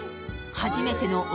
初めての奥